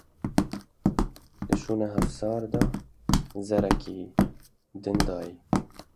Li şûna hevsar da zêrekî din dayê.